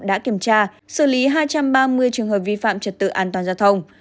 đã kiểm tra xử lý hai trăm ba mươi trường hợp vi phạm trật tự an toàn giao thông